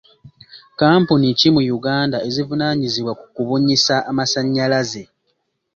Kkampuni ki mu Uganda ezivunaanyizibwa ku kubunyisa amasannyalaze?